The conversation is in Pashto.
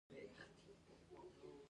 هغه د محبت پر څنډه ساکت ولاړ او فکر وکړ.